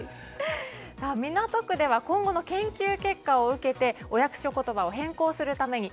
港区では今後の研究結果を受けてお役所言葉を変更するために